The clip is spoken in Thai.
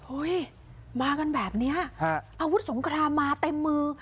มากันแบบนี้อาวุธสงครามมาเต็มมือ